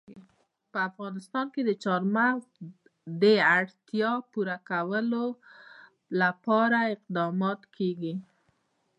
په افغانستان کې د چار مغز د اړتیاوو پوره کولو لپاره اقدامات کېږي.